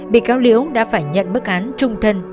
bị cáo liễu đã phải nhận bức án trung thân